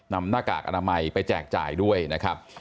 หน้ากากอนามัยไปแจกจ่ายด้วยนะครับ